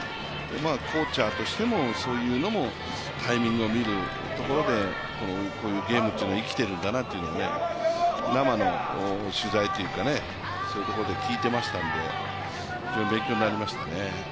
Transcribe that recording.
コーチャーとしてもそういうのもタイミングを見るところでこういうゲームは生きているんだなということで、生の取材というか、そういうところで聞いてましたので非常に勉強になりましたね。